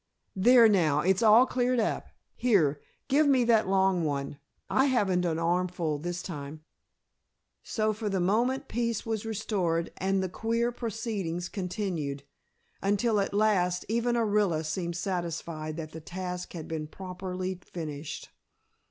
There now, it's all cleared up. Here, give me that long one. I haven't an armful this time." So for the moment peace was restored, and the queer proceedings continued, until at last even Orilla seemed satisfied that the task had been properly finished.